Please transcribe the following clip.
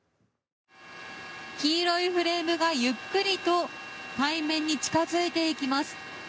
黄色いフレームがゆっくりと海面に近付いています。